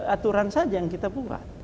aturan saja yang kita buat